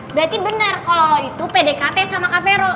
berarti bener kalo itu pdkt sama kak vero